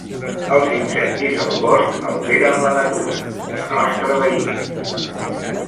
Els incendis al bosc alteren la natura, la nostra veïna.